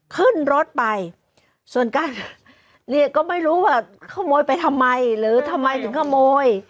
ขึ้นรถไปส่วนการเรียกก็ไม่รู้ว่าขโมยไปทำไมหรือทำไมถึงขโมย